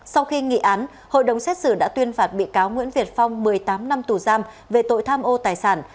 sau khi nghị án hội đồng xét xử đã tuyên phạt bị cáo nguyễn việt phong một mươi tám năm tù giam về tội tham ô tài sản